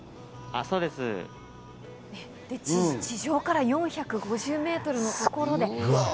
地上から４５０ｍのところで。